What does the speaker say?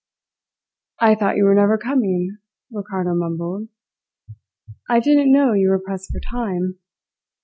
"I thought you were never coming," Ricardo mumbled. "I didn't know you were pressed for time.